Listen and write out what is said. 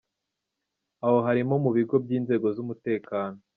Aho harimo mu bigo by’inzego z’umutekano.